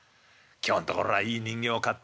今日んところはいい人形買って。